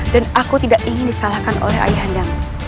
dan aku tidak ingin disalahkan oleh ayahandam